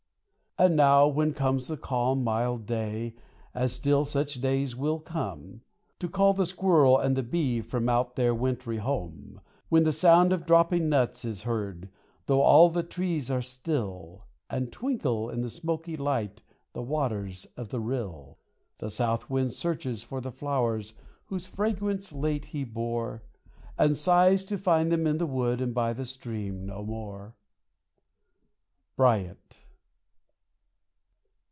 And now, when comes the calm, mild day, as still such days will come, To call the Squirrel and the Bee from out their wintry home; When the sound of dropping nuts is heard, though all the trees are still, And twinkle in the smoky light the waters of the rill, The south wind searches for the flowers whose fragrance late he bore And sighs to find them in the wood and by the stream no more. _Bryant.